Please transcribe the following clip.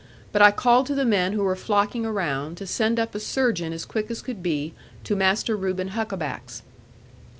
But I called to the men who were flocking around, to send up a surgeon, as quick as could be, to Master Reuben Huckaback's.